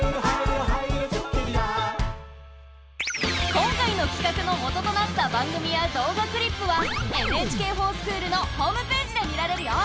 今回のきかくの元となった番組や動画クリップは「ＮＨＫｆｏｒＳｃｈｏｏｌ」のホームページで見られるよ。